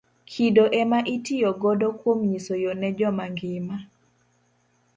Kido ema itiyo godo kuom nyiso yoo ne joma ngima.